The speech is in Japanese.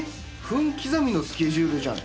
分刻みのスケジュールじゃん。